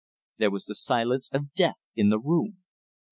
There was the silence of death in the room.